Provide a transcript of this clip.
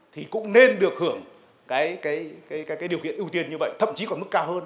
thì cũng nên được hưởng cái điều kiện ưu tiên như vậy thậm chí còn mức cao hơn